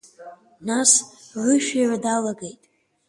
Нас рышәира далагеит.